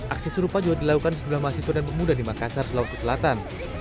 aksi serupa juga dilakukan sejumlah mahasiswa dan pemuda di makassar sulawesi selatan